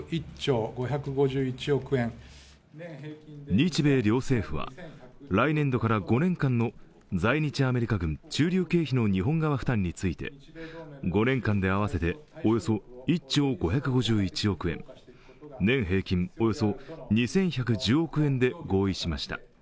日米両政府は来年度から５年間の在日アメリカ軍駐留経費の日本側負担について５年間で合わせておよそ１兆５５１億円年平均およそ２１１０億円で合意しました。